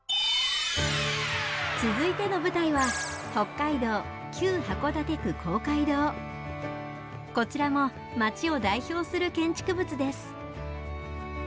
続いての舞台は北海道こちらもまちを代表する建築物です。